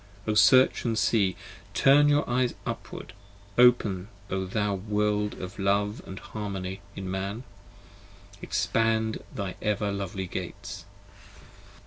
O search & see ; turn your eyes upward : open, O thou World Of Love & Harmony in Man: expand thy ever lovely Gates.